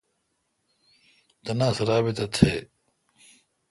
تناسہ رابط تھیں ۔